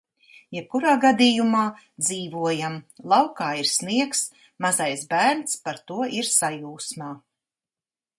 Jebkurā gadījumā - dzīvojam! laukā ir sniegs. mazais bērns par to ir sajūsmā.